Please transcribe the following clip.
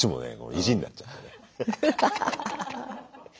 意地になっちゃってね。